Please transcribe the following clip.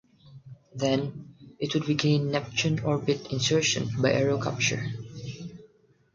Then, it would begin Neptune orbit insertion by aerocapture.